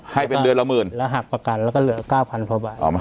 ให้เป็นเดือนละหมื่นแล้วหักประกันแล้วก็เหลือ๙๐๐กว่าบาท